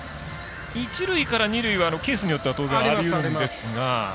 一塁から二塁はケースによっては当然ありえるんですが。